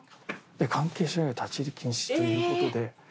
「関係者以外立入禁止」ということで。